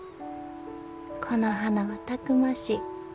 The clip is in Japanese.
この花はたくましい。